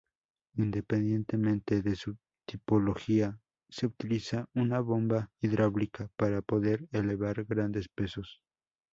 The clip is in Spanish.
Independientemente de su tipología, se utiliza una bomba hidráulica para poder elevar grandes pesos.